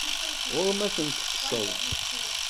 Ɣur-m ad ten-tekseḍ.